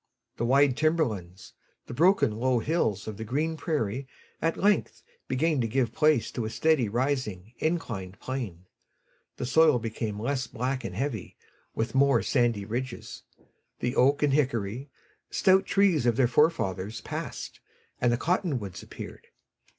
The wide timberlands, the broken low hills of the green prairie at length began to give place to a steadily rising inclined plane. The soil became less black and heavy, with more sandy ridges. The oak and hickory, stout trees of their forefathers, passed, and the cottonwoods appeared.